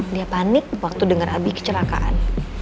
dia panik waktu denger abi kecelakaan